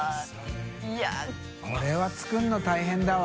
い筺舛叩これは作るの大変だわ。